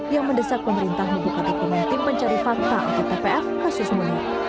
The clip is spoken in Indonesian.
yang mendesak pemerintah membuka dokumen tim pencari fakta untuk ppf khusus munir